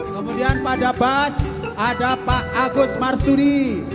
kemudian pada bas ada pak agus marsudi